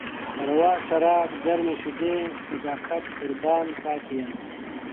روا شراب، ګرمې شيدې، صدقه قربان پاتې يم